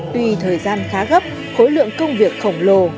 tuy thời gian khá gấp khối lượng công việc khổng lồ